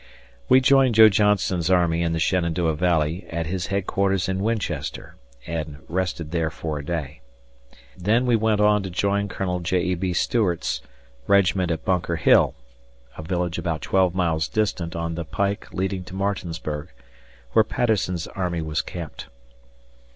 We joined Joe Johnston's army in the Shenandoah Valley at his headquarters in Winchester and rested there for a day. Then we went on to join Colonel J. E. B. Stuart's regiment at Bunker Hill, a village about twelve miles distant on the pike leading to Martinsburg, where Patterson's army was camped.